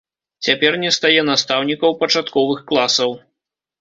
Цяпер не стае настаўнікаў пачатковых класаў.